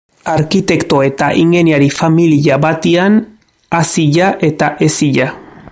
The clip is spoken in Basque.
Arkitekto- eta ingeniari-familia batean hazia eta hezia.